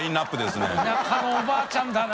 田舎のおばあちゃんだな。